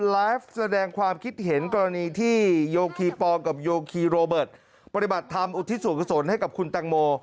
ไลฟ์แสดงความคิดเห็นกรณีที่โยคีปอลกับโยคีโรเบิร์ตปฏิบัติธรรมอุทิศส่วนกุศลให้กับคุณแตงโม